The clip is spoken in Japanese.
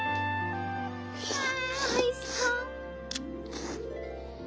ああおいしそう！